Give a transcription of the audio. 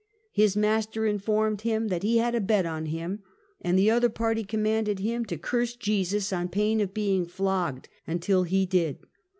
His master informed him he had a bet on him, and the other party commanded him to "curse Jesus?" on pain of being flogged until he did.